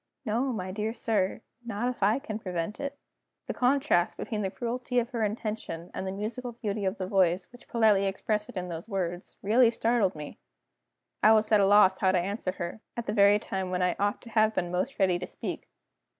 "No, my dear sir not if I can prevent it." The contrast between the cruelty of her intention, and the musical beauty of the voice which politely expressed it in those words, really startled me. I was at a loss how to answer her, at the very time when I ought to have been most ready to speak.